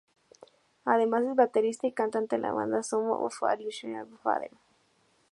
Además es baterista y cantante de la banda Sons of an Illustrious Father.